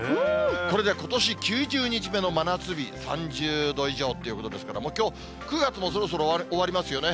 これでことし９０日目の真夏日、３０度以上ということですから、きょう、９月もそろそろ終わりますよね。